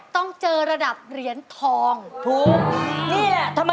ต้องเจอระดับเหรียญทองครับ